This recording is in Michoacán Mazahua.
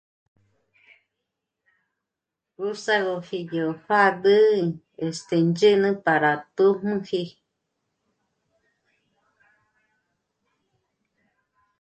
Gú úsàgoji yó pjàdül este... y ndzhü̂nü para tū́jmüji